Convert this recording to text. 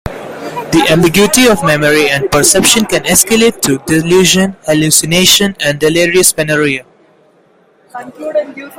This ambiguity of memory and perception can escalate to delusion, hallucination and delirious paranoia.